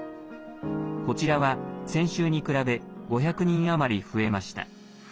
こちらは先週に比べ５００人余り増えました。